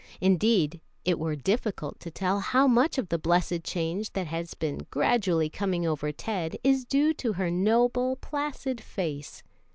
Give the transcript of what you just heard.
Indeed, it were difficult to tell how much of the blessed change that has been gradually coming over Ted is due to her noble, placid face.